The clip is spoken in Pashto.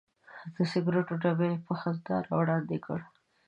د سګرټو ډبی یې په خندا راوړاندې کړ.